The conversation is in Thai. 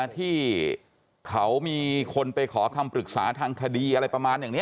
ที่เขามีคนไปขอคำปรึกษาทางคดีอะไรประมาณอย่างนี้